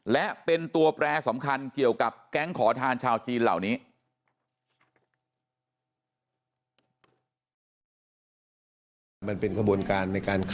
และเป็นตัวแปรสำคัญเกี่ยวกับแก๊งขอทานชาวจีนเหล่านี้